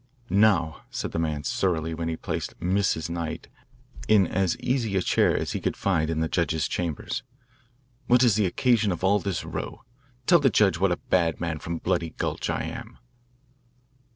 "Now," said the man surlily while he placed "Mrs. Knight" in as easy a chair as he could find in the judge's chambers, "what is the occasion of all this row? Tell the judge what a bad man from Bloody Gulch I am."